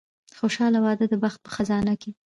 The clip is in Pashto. خوشاله واده د بخت په خزانه کې.